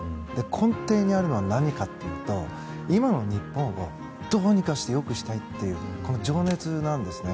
根底にあるのは何かというと今の日本をどうにかして良くしたいっていうこの情熱なんですね。